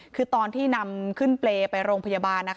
คือตอนนำขึ้นเปลไปโรงพยาบาล